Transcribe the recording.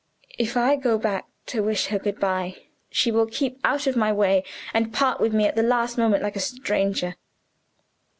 "If I go back to wish her good by, she will keep out of my way, and part with me at the last moment like a stranger.